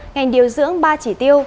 ngành điều dưỡng ba chỉ tiêu